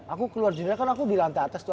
aku keluar juga kan aku di lantai atas tuh